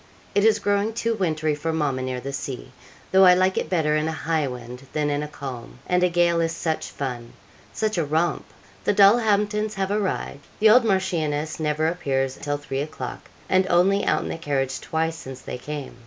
It is growing too wintry for mamma near the sea, though I like it better in a high wind than in a calm; and a gale is such fun such a romp. The Dulhamptons have arrived: the old Marchioness never appears till three o'clock, and only out in the carriage twice since they came.